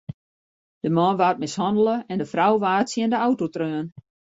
De man waard mishannele en de frou waard tsjin de auto treaun.